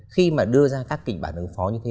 khi mà đưa ra các kịch bản ứng phó như thế